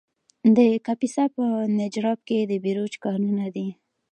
د کاپیسا په نجراب کې د بیروج کانونه دي.